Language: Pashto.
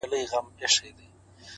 هغې د ژوند د ماهيت خبره پټه ساتل _